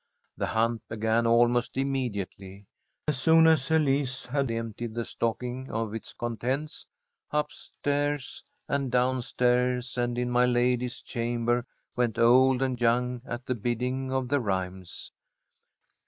The hunt began almost immediately. As soon as Elise had emptied the stocking of its contents, up stairs and down stairs and in my lady's chamber went old and young at the bidding of the rhymes.